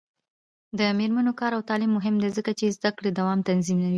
د میرمنو کار او تعلیم مهم دی ځکه چې زدکړو دوام تضمینوي.